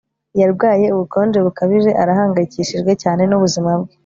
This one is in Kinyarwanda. Yarwaye ubukonje bukabije Arahangayikishijwe cyane nubuzima bwe